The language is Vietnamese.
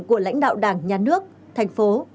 của lãnh đạo đảng nhà nước thành phố